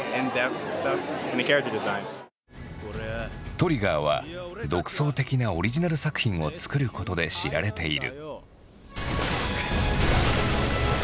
ＴＲＩＧＧＥＲは独創的なオリジナル作品をつくることで知られている。